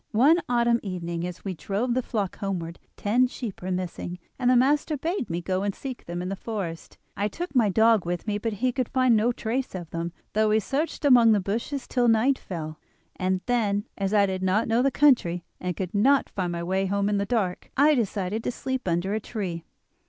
One autumn evening as we drove the flock homeward ten sheep were missing, and the master bade me go and seek them in the forest. I took my dog with me, but he could find no trace of them, though we searched among the bushes till night fell; and then, as I did not know the country and could not find my way home in the dark, I decided to sleep under a tree.